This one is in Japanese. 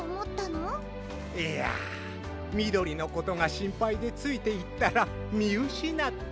いやみどりのことがしんぱいでついていったらみうしなって。